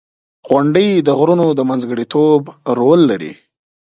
• غونډۍ د غرونو د منځګړیتوب رول لري.